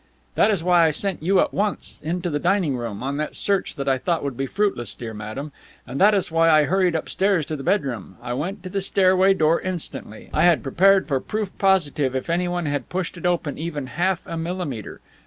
"That is why I sent you at once in to the dining room on that search that I thought would be fruitless, dear madame. And that is why I hurried upstairs to the bedroom. I went to the stairway door instantly. I had prepared for proof positive if anyone had pushed it open even half a millimeter.